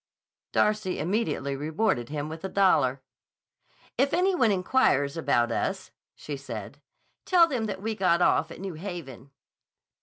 Darcy immediately rewarded him with a dollar. "If any one inquires about us," she said, "tell them that we got off at New Haven."